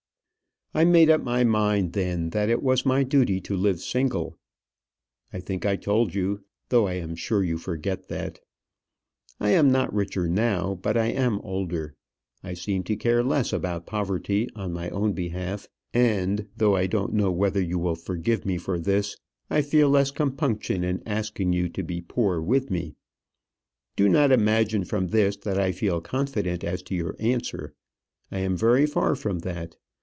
I made up my mind then that it was my duty to live single. I think I told you, though I am sure you forget that. I am not richer now, but I am older. I seem to care less about poverty on my own behalf; and though I don't know whether you will forgive me for this I feel less compunction in asking you to be poor with me. Do not imagine from this that I feel confident as to your answer. I am very far from that.